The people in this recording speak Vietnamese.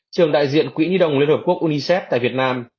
trường đại diện quỹ nhi đồng liên hợp quốc unicef tại việt nam